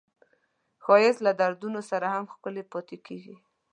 ښایست له دردونو سره هم ښکلی پاتې کېږي